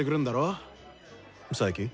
佐伯？